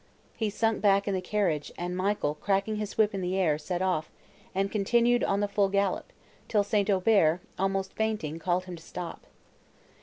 He sunk back in the carriage, and Michael, cracking his whip in the air, set off, and continued on the full gallop, till St. Aubert, almost fainting, called to him to stop.